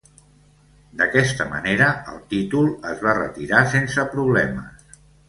D'aquesta manera, el títol es va retirar sense problemes.